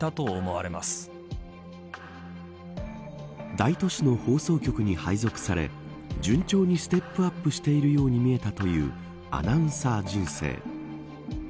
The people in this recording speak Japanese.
大都市の放送局に配属され順調にステップアップしているように見えたというアナウンサー人生。